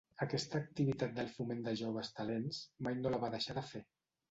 Aquesta activitat del foment de joves talents mai no la va deixar de fer.